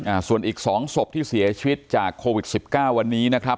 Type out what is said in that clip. อ่าส่วนอีกสองศพที่เสียชีวิตจากโควิดสิบเก้าวันนี้นะครับ